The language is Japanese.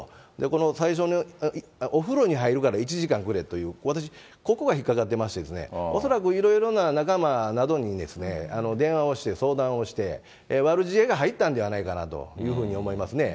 この最初の、お風呂に入るから１時間くれという、私、ここが引っ掛かってまして、恐らく、いろいろな仲間などに電話をして、相談をして、悪知恵が入ったんではないかなと思いますね。